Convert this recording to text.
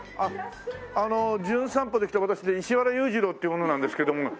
あの『じゅん散歩』で来た私ね石原裕次郎っていう者なんですけども。